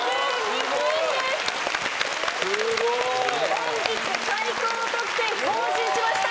本日最高得点更新しました。